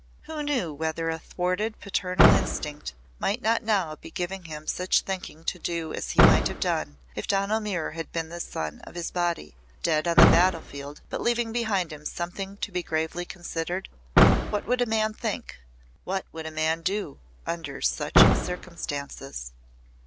Who knew whether a thwarted paternal instinct might not now be giving him such thinking to do as he might have done if Donal Muir had been the son of his body dead on the battlefield but leaving behind him something to be gravely considered? What would a man think what would a man do under such circumstances?